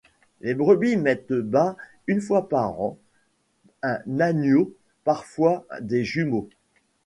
Les brebis mettent bas une fois par an un agneau, parfois des jumeaux.